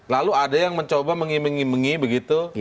lalu ada yang mencoba mengi mengi begitu